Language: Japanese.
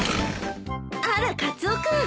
あらカツオ君。